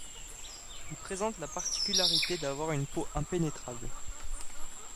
Il présente la particularité d'avoir une peau impénétrable.